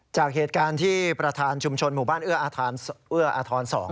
จากเหตุการณ์ที่ประธานชุมชนหมู่บ้านเอื้ออาทรเอื้ออาทร๒